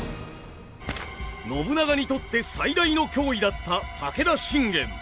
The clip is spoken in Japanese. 信長にとって最大の脅威だった武田信玄。